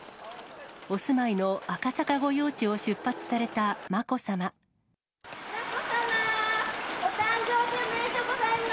お住まいの赤坂御用地を出発されたまこさま。